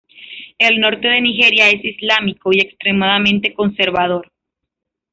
El norte de Nigeria es islámico y extremadamente conservador.